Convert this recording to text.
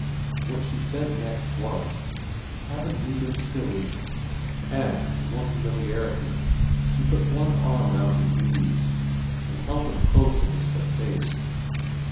What she said next was, * Haven't we been silly/ and, more familiarity, she put one arm round his knees and held them close against her face.